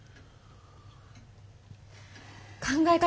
考え方